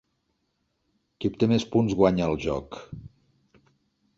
Qui obté més punts guanya el joc.